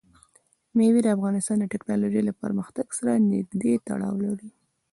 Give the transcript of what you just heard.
مېوې د افغانستان د تکنالوژۍ له پرمختګ سره نږدې تړاو لري.